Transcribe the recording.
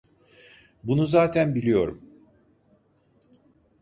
Bunu zaten biliyorum.